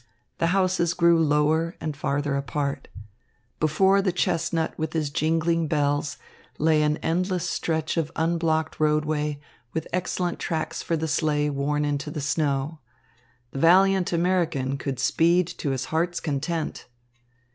The houses grew lower and farther apart. Before the chestnut with his jingling bells lay an endless stretch of unblocked roadway, with excellent tracks for the sleigh worn into the snow. The valiant American could speed to his heart's content.